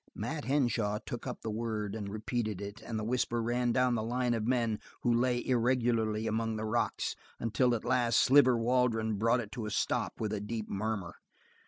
Mat Henshaw took up the word, and repeated it, and the whisper ran down the line of men who lay irregularly among the rocks, until at last Sliver Waldron brought it to a stop with a deep murmur.